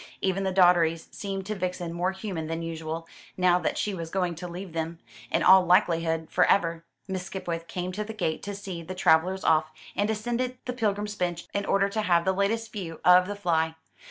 Even the Dodderys seemed to Vixen more human than usual, now that she was going to leave them, in all likelihood for ever. Miss Skipwith came to the gate to see the travellers off, and ascended the pilgrim's bench in order to have the latest view of the fly.